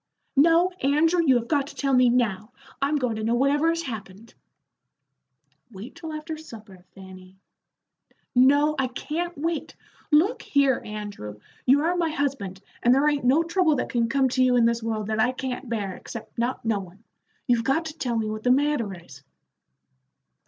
"No, Andrew, you have got to tell me now. I'm goin' to know whatever has happened." "Wait till after supper, Fanny." "No, I can't wait. Look here, Andrew, you are my husband, and there ain't no trouble that can come to you in this world that I can't bear, except not knowin'. You've got to tell me what the matter is."